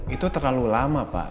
itu terlalu lama pak